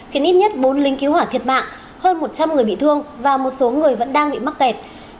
khiến ít nhất bốn lính cứu hỏa thiệt mạng hơn một trăm linh người bị thương và một số người vẫn đang bị mắc kẹt